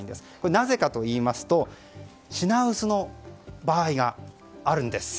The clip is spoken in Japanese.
なぜかといいますと品薄の場合があるんです。